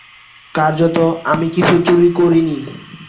কার্যত, আমি কিছু চুরি করিনি।